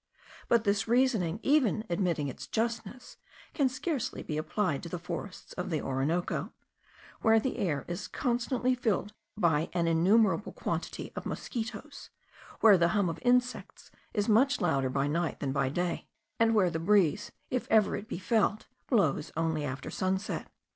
But this reasoning, even admitting its justness, can scarcely be applied to the forests of the Orinoco, where the air is constantly filled by an innumerable quantity of mosquitos, where the hum of insects is much louder by night than by day, and where the breeze, if ever it be felt, blows only after sunset.